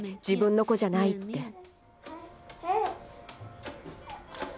自分の子じゃない」って。